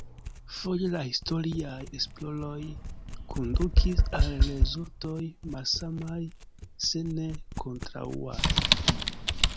Foje la historiaj esploroj kondukis al rezultoj malsamaj se ne kontraŭaj.